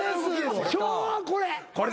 昭和はこれ。